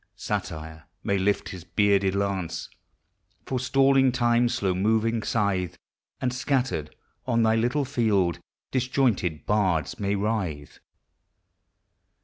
Satire may lift his bearded lance, Forestalling Time's slow moving scythe, And, scattered on thy little field, Disjointed bards may writhe.